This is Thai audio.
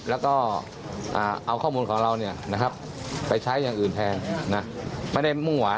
แล้วก็เอาข้อมูลของเราเนี่ยนะครับไปใช้อย่างอื่นแทนนะ